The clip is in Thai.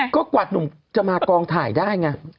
ก็กว่าหนุ่มจะมากองถ่ายได้ไง